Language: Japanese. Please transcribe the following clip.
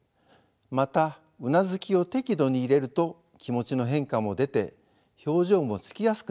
またうなずきを適度に入れると気持ちの変化も出て表情もつきやすくなります。